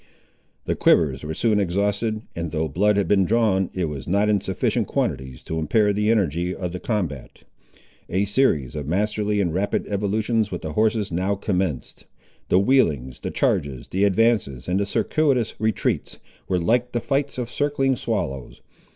The quivers were soon exhausted; and though blood had been drawn, it was not in sufficient quantities to impair the energy of the combat. A series of masterly and rapid evolutions with the horses now commenced. The wheelings, the charges, the advances, and the circuitous retreats, were like the flights of circling swallows.